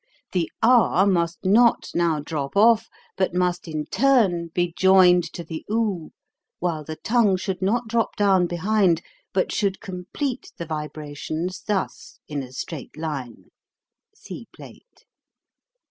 The r must not now drop off, but must in turn be joined to the oo, while the tongue should not drop down behind, ^ but should complete the vibrations thus, in a straight line. (See plate.)